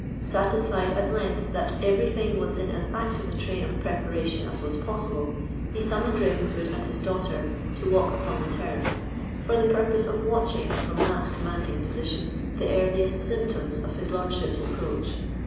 Satisfied, at length, that everything was in as active a train of preparation as was possible, he summoned Ravenswood and his daughter to walk upon the terrace, for the purpose of watching, from that commanding position, the earliest symptoms of his lordship's approach.